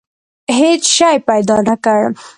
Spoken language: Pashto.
هېڅ شی پیدا نه کړ.